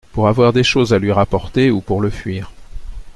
pour avoir des choses à lui rapporter, ou pour le fuir